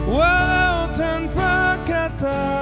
walau tanpa kata